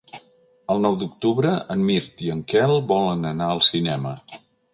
El nou d'octubre en Mirt i en Quel volen anar al cinema.